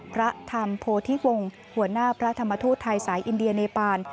พระธรรมโพธิวงศ์หัวหน้าพระธรรมทูตไทยสายอินเดียเนปาน